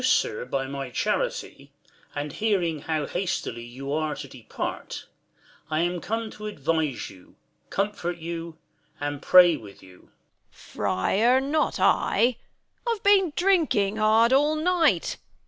Induc'd, sir, by my charity, and hearing how 182 THE LAW AGAINST LOVERS, Hastily you are to depart, I am come to advise you, Comfort you, and pray Avith you. Bern. Friar, not I. I've been drinking hard all night.